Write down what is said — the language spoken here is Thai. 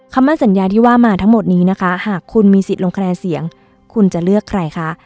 คำมั่นสัญญาที่ว่ามาทั้งหมดนี้นะคะหากคุณมีสิทธิ์ลงคะแนนเสียงคุณจะเลือกใครคะ